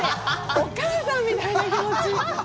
お母さんみたいな気持ち。